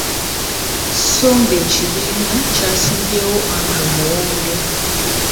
So nga ekibiina kyasimbyewo Andrew Muwonge.